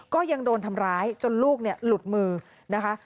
ก็ยังโดนทำร้ายจนลูกหลุดมือนะคะ